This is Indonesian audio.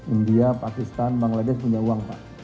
india pakistan bangladesh punya uang pak